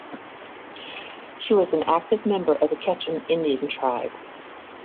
She was an active member of the Quechan Indian Tribe.